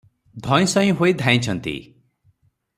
ଧଇଁ ସଇଁ ହୋଇ ଧାଇଁଛନ୍ତି ।